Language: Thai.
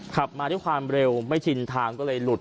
ขับมาด้วยความเร็วไม่ชินทางก็เลยหลุด